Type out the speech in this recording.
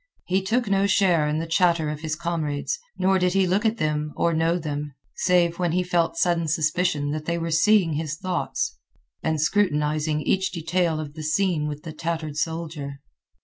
He took no share in the chatter of his comrades, nor did he look at them or know them, save when he felt sudden suspicion that they were seeing his thoughts and scrutinizing each detail of the scene with the tattered soldier.